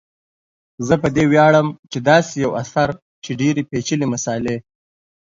زه په دې ویاړم چي داسي یو اثر چي ډیري پیچلي مسالې